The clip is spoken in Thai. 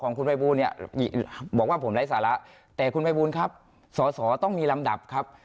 ของคุณใบบูลบอกว่าผมไร้สาระแต่คุณใบบูลครับต้องมีลำดับครับ